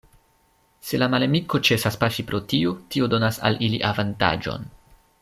Se la malamiko ĉesas pafi pro tio, tio donas al ili avantaĝon.